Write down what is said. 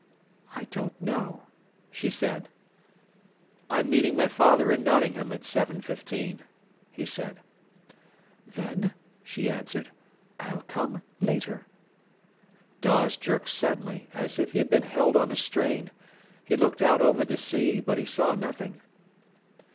"I don't know," she said. "I'm meeting my father in Nottingham at seven fifteen," he said. "Then," she answered, "I'll come later." Dawes jerked suddenly, as if he had been held on a strain. He looked out over the sea, but he saw nothing.